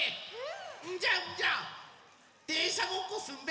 んじゃんじゃでんしゃごっこすんべ。